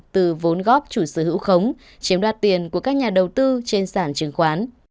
từ vốn góp chủ sở hữu khống chiếm đoạt tiền của các nhà đầu tư trên sản chứng khoán